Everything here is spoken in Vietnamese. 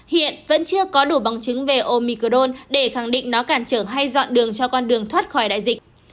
hiện vẫn chưa có đủ bằng chứng về omicron để khẳng định nó cản trở hay dọn đường cho con đường thoát khỏi đại dịch